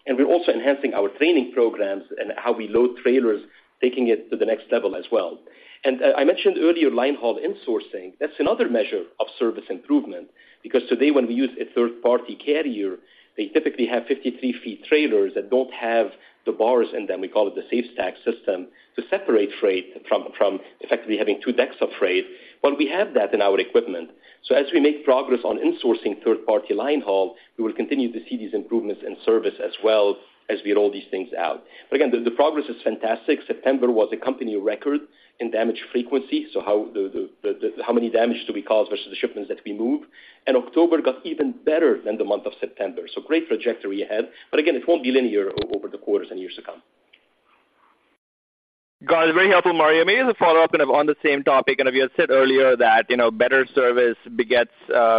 And we're also enhancing our training programs and how we load trailers, taking it to the next level as well. And I mentioned earlier, linehaul insourcing. That's another measure of service improvement, because today, when we use a third-party carrier, they typically have 53-foot trailers that don't have the bars in them. We call it the SafeStack system to separate freight from effectively having two decks of freight, but we have that in our equipment. So as we make progress on insourcing third-party linehaul, we will continue to see these improvements in service as well as we roll these things out. But again, the progress is fantastic. September was a company record in damage frequency, so how many damages do we cause versus the shipments that we move? And October got even better than the month of September, so great trajectory ahead. But again, it won't be linear over the quarters and years to come. Got it. Very helpful, Mario. Maybe as a follow-up and on the same topic, and you had said earlier that, you know, better service begets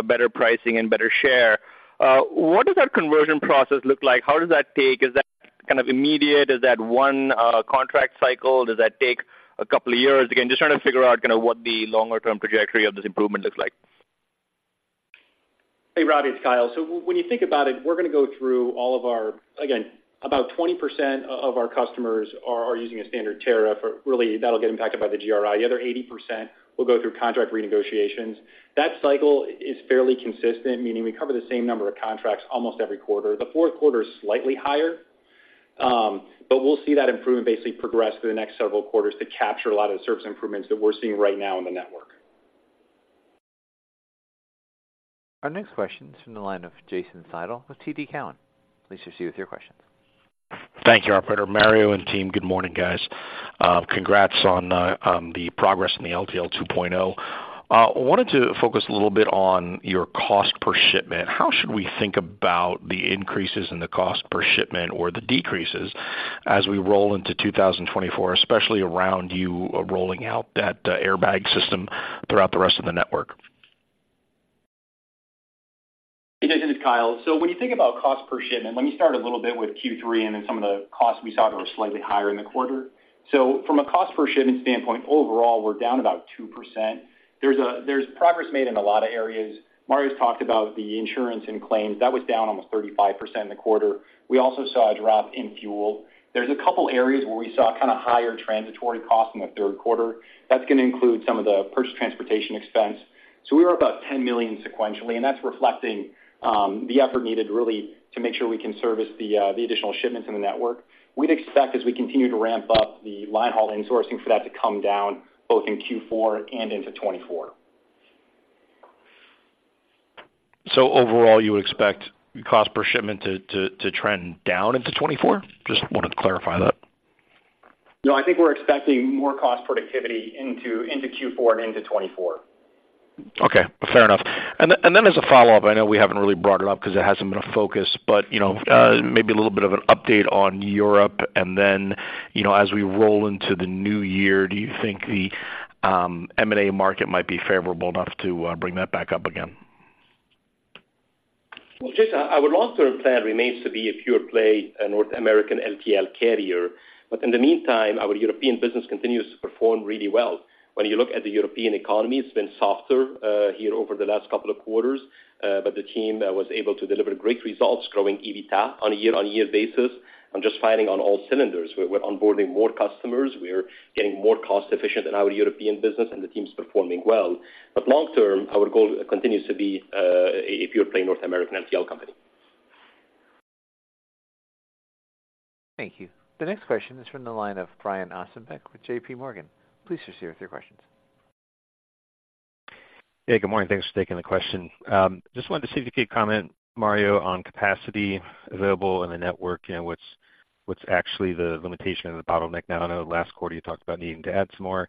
better pricing and better share. What does that conversion process look like? How does that take? Is that kind of immediate? Is that one contract cycle? Does that take a couple of years? Again, just trying to figure out kind of what the longer-term trajectory of this improvement looks like. Hey, Ravi, it's Kyle. So when you think about it, we're going to go through all of our... Again, about 20% of our customers are using a standard tariff. Really, that'll get impacted by the GRI. The other 80% will go through contract renegotiations. That cycle is fairly consistent, meaning we cover the same number of contracts almost every quarter. The fourth quarter is slightly higher, but we'll see that improvement basically progress through the next several quarters to capture a lot of the service improvements that we're seeing right now in the network. Our next question is from the line of Jason Seidl with TD Cowen. Please proceed with your questions. Thank you, operator. Mario and team, good morning, guys. Congrats on the progress in the LTL 2.0. I wanted to focus a little bit on your cost per shipment. How should we think about the increases in the cost per shipment, or the decreases, as we roll into 2024, especially around you rolling out that airbag system throughout the rest of the network? Hey, Jason, it's Kyle. So when you think about cost per shipment, let me start a little bit with Q3 and then some of the costs we saw that were slightly higher in the quarter. So from a cost per shipment standpoint, overall, we're down about 2%. There's progress made in a lot of areas. Mario's talked about the insurance and claims. That was down almost 35% in the quarter. We also saw a drop in fuel. There's a couple areas where we saw kind of higher transitory costs in the third quarter. That's going to include some of the purchased transportation expenses. So we were about $10 million sequentially, and that's reflecting the effort needed really to make sure we can service the additional shipments in the network. We'd expect, as we continue to ramp up the linehaul insourcing, for that to come down both in Q4 and into 2024. Overall, you would expect cost per shipment to trend down into 2024? Just wanted to clarify that. No, I think we're expecting more cost productivity into Q4 and into 2024. Okay, fair enough. And then as a follow-up, I know we haven't really brought it up because it hasn't been a focus, but you know, maybe a little bit of an update on Europe, and then you know, as we roll into the new year, do you think the M&A market might be favorable enough to bring that back up again?... Well, Jason, our long-term plan remains to be a pure play, a North American LTL carrier. But in the meantime, our European business continues to perform really well. When you look at the European economy, it's been softer here over the last couple of quarters, but the team was able to deliver great results, growing EBITDA on a year-on-year basis and just firing on all cylinders. We're, we're onboarding more customers, we're getting more cost efficient in our European business, and the team's performing well. But long term, our goal continues to be a pure play North American LTL company. Thank you. The next question is from the line of Brian Ossenbeck with JP Morgan. Please proceed with your questions. Hey, good morning. Thanks for taking the question. Just wanted to see if you could comment, Mario, on capacity available in the network. You know, what's actually the limitation of the bottleneck now? I know last quarter you talked about needing to add some more.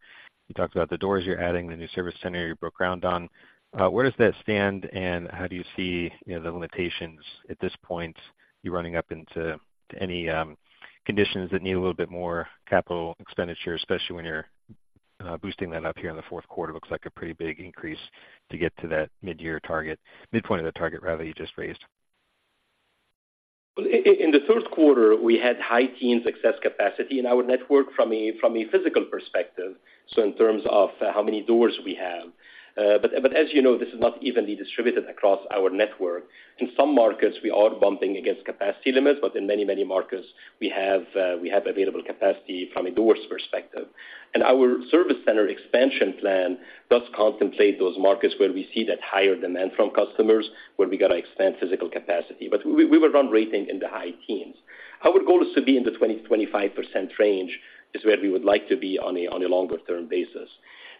You talked about the doors you're adding, the new service center you broke ground on. Where does that stand, and how do you see, you know, the limitations at this point? You running up into any conditions that need a little bit more capital expenditure, especially when you're boosting that up here in the fourth quarter. It looks like a pretty big increase to get to that midyear target, midpoint of the target rather, you just raised. Well, in the third quarter, we had high teens excess capacity in our network from a physical perspective, so in terms of how many doors we have. But as you know, this is not evenly distributed across our network. In some markets, we are bumping against capacity limits, but in many, many markets, we have available capacity from a doors perspective. And our service center expansion plan does contemplate those markets where we see that higher demand from customers, where we got to expand physical capacity. But we were run-rating in the high teens. Our goal is to be in the 20%-25% range, where we would like to be on a longer-term basis.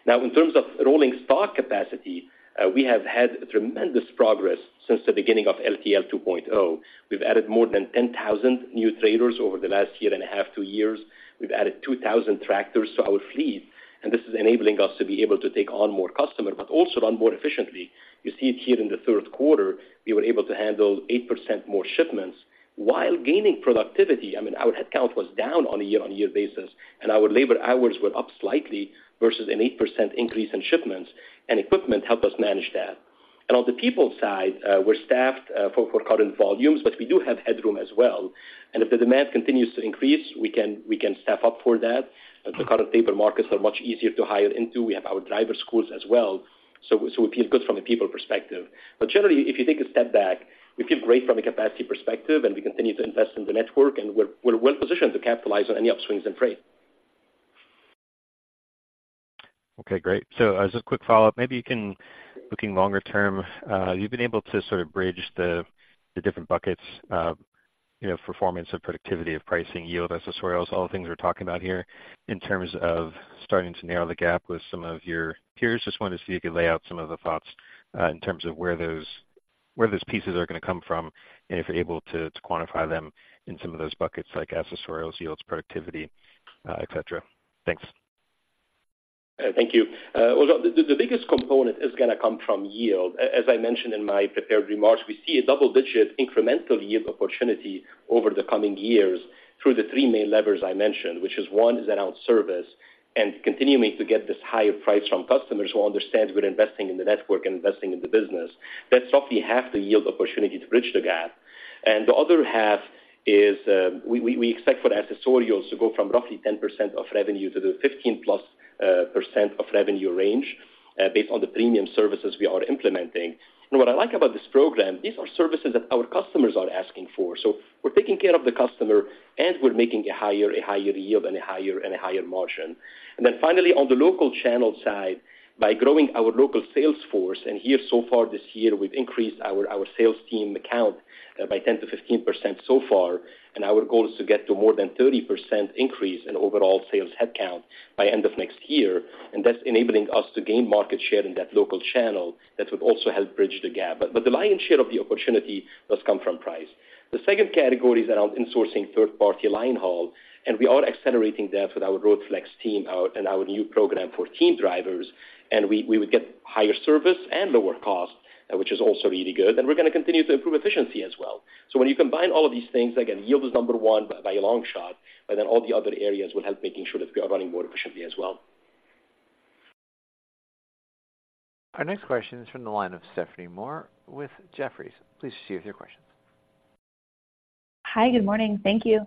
Now, in terms of rolling stock capacity, we have had tremendous progress since the beginning of LTL 2.0. We've added more than 10,000 new trailers over the last year and a half, two years. We've added 2,000 tractors to our fleet, and this is enabling us to be able to take on more customers, but also run more efficiently. You see it here in the third quarter, we were able to handle 8% more shipments while gaining productivity. I mean, our headcount was down on a year-on-year basis, and our labor hours were up slightly versus an 8% increase in shipments, and equipment helped us manage that. And on the people side, we're staffed for current volumes, but we do have headroom as well. And if the demand continues to increase, we can staff up for that. The current paper markets are much easier to hire into. We have our driver schools as well, so we feel good from a people perspective. But generally, if you take a step back, we feel great from a capacity perspective, and we continue to invest in the network, and we're well-positioned to capitalize on any upswings in freight. Okay, great. So as a quick follow-up, maybe you can, looking longer term, you've been able to sort of bridge the, the different buckets of, you know, performance and productivity, of pricing, yield, accessorial, all the things we're talking about here, in terms of starting to narrow the gap with some of your peers. Just wanted to see if you could lay out some of the thoughts, in terms of where those, where those pieces are going to come from, and if you're able to, to quantify them in some of those buckets, like accessorial, yields, productivity, et cetera. Thanks. Thank you. Well, the biggest component is going to come from yield. As I mentioned in my prepared remarks, we see a double-digit incremental yield opportunity over the coming years through the three main levers I mentioned, which is one, is around service and continuing to get this higher price from customers who understand we're investing in the network and investing in the business. That's roughly half the yield opportunity to bridge the gap. And the other half is, we expect for the accessorial to go from roughly 10% of revenue to the 15%+ of revenue range, based on the premium services we are implementing. And what I like about this program, these are services that our customers are asking for. So we're taking care of the customer, and we're making a higher, a higher yield and a higher, and a higher margin. And then finally, on the local channel side, by growing our local sales force, and here so far this year, we've increased our, our sales team count by 10%-15% so far, and our goal is to get to more than 30% increase in overall sales headcount by end of next year. And that's enabling us to gain market share in that local channel. That would also help bridge the gap. But the lion's share of the opportunity does come from price. The second category is around insourcing third-party linehaul, and we are accelerating that with our Road Flex team out and our new program for team drivers, and we would get higher service and lower cost, which is also really good. And we're going to continue to improve efficiency as well. So when you combine all of these things, again, yield is number one by a long shot, but then all the other areas will help making sure that we are running more efficiently as well. Our next question is from the line of Stephanie Moore with Jefferies. Please proceed with your questions. Hi, good morning. Thank you.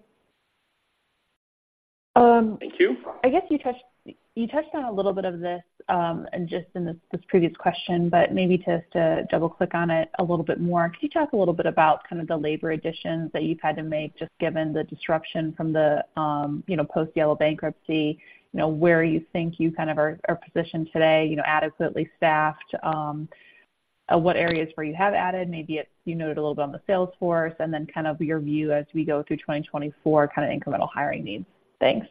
Thank you. I guess you touched on a little bit of this, and just in this previous question, but maybe just to double-click on it a little bit more. Could you talk a little bit about kind of the labor additions that you've had to make, just given the disruption from the, you know, post-Yellow bankruptcy? You know, where you think you kind of are positioned today, you know, adequately staffed, what areas where you have added, maybe it's, you noted a little bit on the sales force, and then kind of your view as we go through 2024, kind of incremental hiring needs. Thanks. ...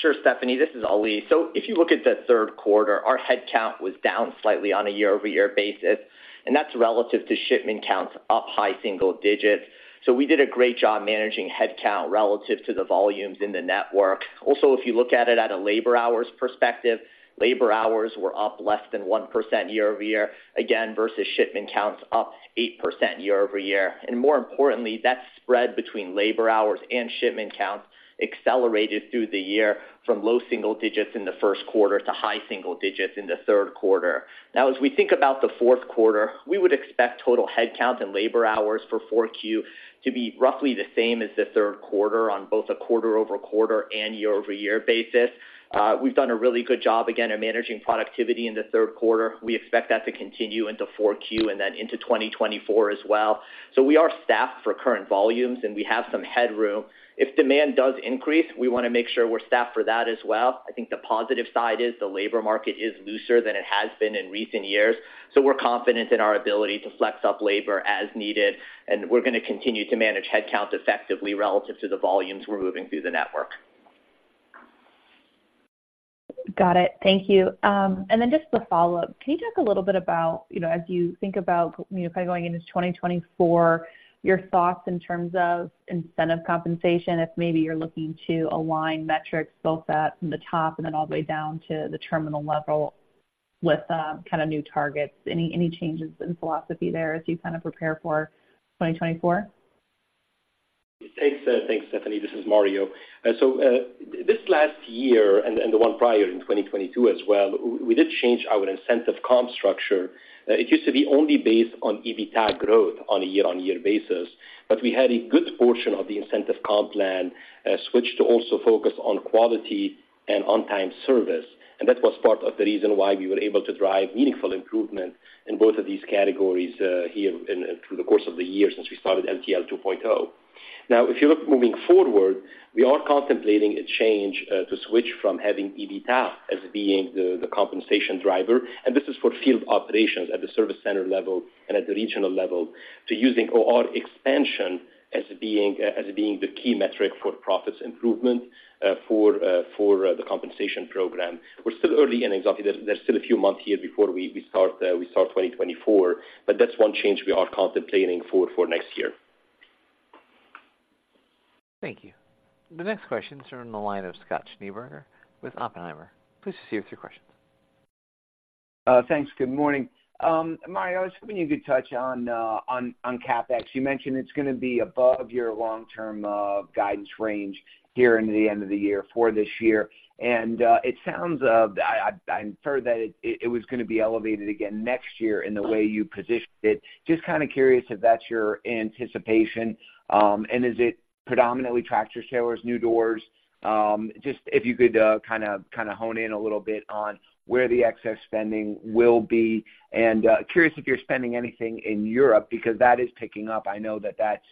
Sure, Stephanie, this is Ali. So if you look at the third quarter, our headcount was down slightly on a year-over-year basis, and that's relative to shipment counts up high single-digits. So we did a great job managing headcount relative to the volumes in the network. Also, if you look at it at a labor hours perspective, labor hours were up less than 1% year-over-year, again, versus shipment counts up 8% year-over-year. And more importantly, that spread between labor hours and shipment counts accelerated through the year from low single-digits in the first quarter to high single-digits in the third quarter. Now, as we think about the fourth quarter, we would expect total headcount and labor hours for 4Q to be roughly the same as the third quarter on both a quarter-over-quarter and year-over-year basis. We've done a really good job, again, at managing productivity in the third quarter. We expect that to continue into 4Q and then into 2024 as well. So we are staffed for current volumes, and we have some headroom. If demand does increase, we want to make sure we're staffed for that as well. I think the positive side is the labor market is looser than it has been in recent years, so we're confident in our ability to flex up labor as needed, and we're going to continue to manage headcount effectively relative to the volumes we're moving through the network. Got it. Thank you. And then just a follow-up. Can you talk a little bit about, you know, as you think about, you know, kind of going into 2024, your thoughts in terms of incentive compensation, if maybe you're looking to align metrics both at from the top and then all the way down to the terminal level with, kind of new targets? Any, any changes in philosophy there as you kind of prepare for 2024? Thanks, thanks, Stephanie. This is Mario. So, this last year and, and the one prior in 2022 as well, we did change our incentive comp structure. It used to be only based on EBITDA growth on a year-on-year basis, but we had a good portion of the incentive comp plan switch to also focus on quality and on-time service. And that was part of the reason why we were able to drive meaningful improvement in both of these categories, here, through the course of the year since we started LTL 2.0. Now, if you look moving forward, we are contemplating a change to switch from having EBITDA as being the compensation driver, and this is for field operations at the service center level and at the regional level, to using OR expansion as being the key metric for profits improvement for the compensation program. We're still early in exactly. There's still a few months here before we start 2024, but that's one change we are contemplating for next year. Thank you. The next question is from the line of Scott Schneeberger with Oppenheimer. Please proceed with your questions. Thanks. Good morning. Mario, I was hoping you could touch on, on, on CapEx. You mentioned it's going to be above your long-term guidance range here in the end of the year for this year. It sounds, I inferred that it was going to be elevated again next year in the way you positioned it. Just kind of curious if that's your anticipation, and is it predominantly tractor-trailers, new doors? Just if you could, kind of, kind of hone in a little bit on where the excess spending will be. Curious if you're spending anything in Europe, because that is picking up. I know that that's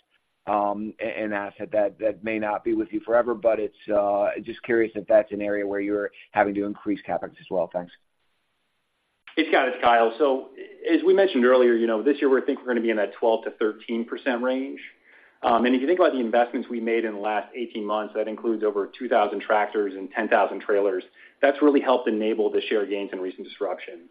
an asset that may not be with you forever, but it's just curious if that's an area where you're having to increase CapEx as well. Thanks. Hey, Scott, it's Kyle. So as we mentioned earlier, you know, this year, we think we're going to be in that 12%-13% range. And if you think about the investments we made in the last 18 months, that includes over 2,000 tractors and 10,000 trailers. That's really helped enable the share gains in recent disruption.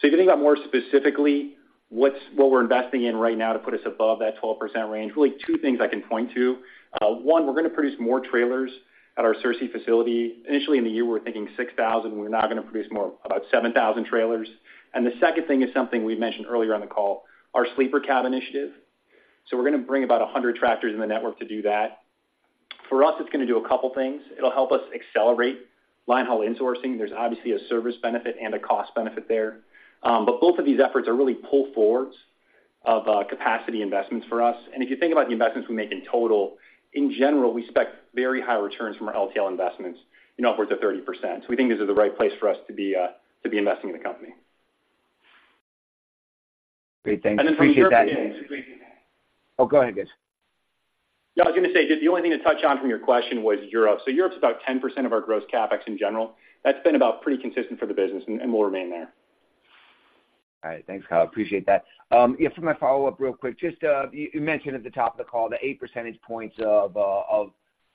So if you think about more specifically, what we're investing in right now to put us above that 12% range, really two things I can point to. One, we're going to produce more trailers at our Searcy facility. Initially, in the year, we were thinking 6,000, we're now going to produce more, about 7,000 trailers. And the second thing is something we mentioned earlier on the call, our Sleeper Cab initiative. So we're going to bring about 100 tractors in the network to do that. For us, it's going to do a couple things. It'll help us accelerate linehaul insourcing. There's obviously a service benefit and a cost benefit there. But both of these efforts are really pull forwards of capacity investments for us. And if you think about the investments we make in total, in general, we expect very high returns from our LTL investments, you know, upwards of 30%. So we think this is the right place for us to be to be investing in the company. Great, thanks. Appreciate that. And then from Europe- Oh, go ahead, guys. Yeah, I was going to say, the only thing to touch on from your question was Europe. So Europe's about 10% of our gross CapEx in general. That's been about pretty consistent for the business and will remain there. All right. Thanks, Kyle. Appreciate that. Yeah, for my follow-up real quick, just you mentioned at the top of the call the 8 percentage points of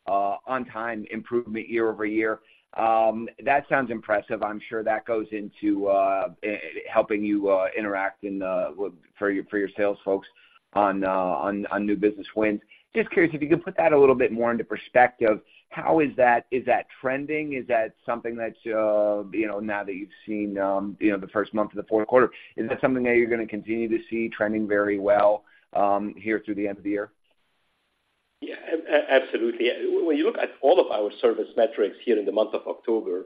on-time improvement year-over-year. That sounds impressive. I'm sure that goes into helping you interact in for your sales folks on new business wins. Just curious, if you could put that a little bit more into perspective, how is that - is that trending? Is that something that you know, now that you've seen you know, the first month of the fourth quarter, is that something that you're going to continue to see trending very well here through the end of the year? Yeah, absolutely. When you look at all of our service metrics here in the month of October,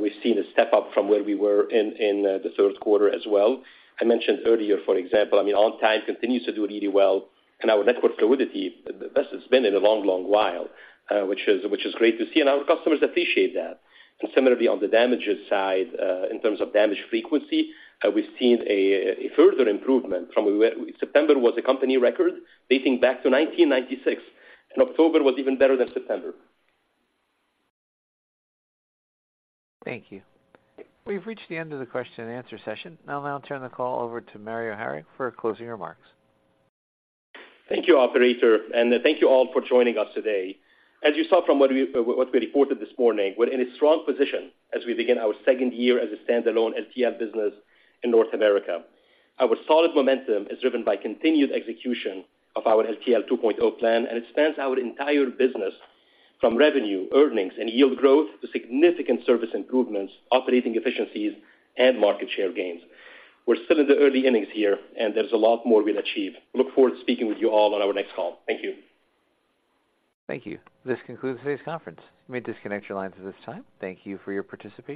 we've seen a step up from where we were in the third quarter as well. I mentioned earlier, for example, I mean, on-time continues to do really well, and our network fluidity, the best it's been in a long, long while, which is great to see, and our customers appreciate that. And similarly, on the damages side, in terms of damage frequency, we've seen a further improvement from where September was a company record dating back to 1996, and October was even better than September. Thank you. We've reached the end of the question and answer session. I'll now turn the call over to Mario Harik for closing remarks. Thank you, operator, and thank you all for joining us today. As you saw from what we reported this morning, we're in a strong position as we begin our second year as a standalone LTL business in North America. Our solid momentum is driven by continued execution of our LTL 2.0 plan, and it spans our entire business from revenue, earnings, and yield growth to significant service improvements, operating efficiencies, and market share gains. We're still in the early innings here, and there's a lot more we'll achieve. Look forward to speaking with you all on our next call. Thank you. Thank you. This concludes today's conference. You may disconnect your lines at this time. Thank you for your participation.